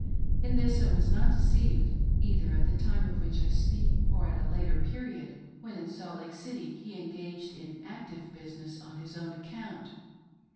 In this I was not deceived, either at the time of which I speak or at a later period when in Salt Lake City he engaged in active business on his own account.